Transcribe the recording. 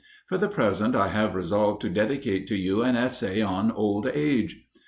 For the present I have resolved to dedicate to you an essay on Old Age.